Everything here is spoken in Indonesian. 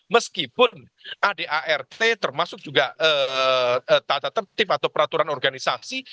meskipun adart termasuk juga tata tertib atau peraturan organisasi